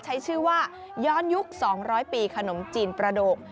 ใช้ชื่อว่าย้อนยุค๒๐๐ปีขนมจีนประโดก